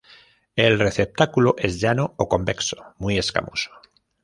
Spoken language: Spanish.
El receptáculo es llano o convexo, muy escamoso.